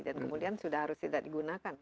dan kemudian sudah harus tidak digunakan